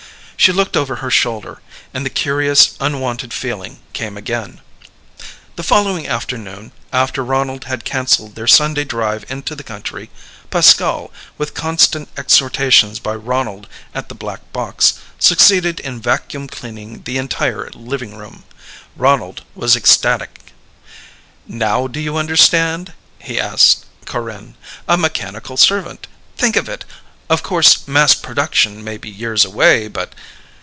She looked over her shoulder, and the curious, unwanted feeling came again. The following afternoon after Ronald had cancelled their Sunday drive into the country Pascal, with constant exhortations by Ronald at the black box, succeeded in vacuum cleaning the entire living room. Ronald was ecstatic. "Now do you understand?" he asked Corinne. "A mechanical servant! Think of it! Of course mass production may be years away, but